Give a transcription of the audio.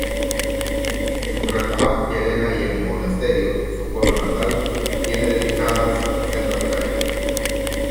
En Retamal de Llerena y en Monesterio, su pueblo natal, tiene dedicadas sendas calles.